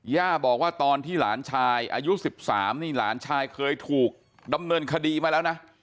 ย่าบอกว่าตอนที่หลานชายอายุ๑๓นี่หลานชายเคยถูกดำเนินคดีมาแล้วนะ